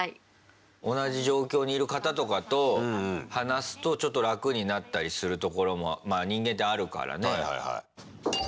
同じ状況にいる方とかと話すと、ちょっと楽になったりするところもまあ、人間ってあるからね。